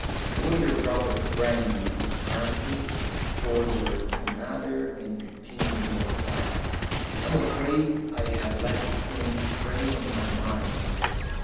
The waiter brought the brandy. He drank it, ordered another, and continued more quietly. "I am afraid I have let the thing prey on my mind a little.